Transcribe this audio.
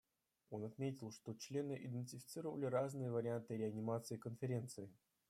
Он отметил, что члены идентифицировали разные варианты реанимации Конференции.